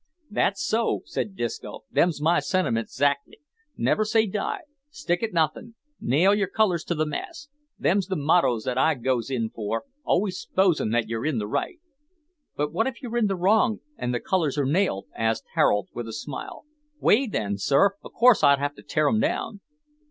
"That's so," said Disco; "them's my sentiments 'xactly. Never say die Stick at nothing Nail yer colours to the mast: them's the mottoes that I goes in for always s'posin' that you're in the right." "But what if you're in the wrong, and the colours are nailed?" asked Harold, with a smile. "W'y then, sir, of course I'd have to tear 'em down."